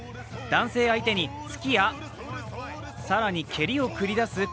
男性相手に、突きや、更に蹴りを繰り出す